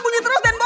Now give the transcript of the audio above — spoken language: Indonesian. bunyi terus den boy